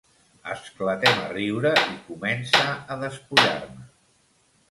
Esclatem a riure i comença a despullar-me.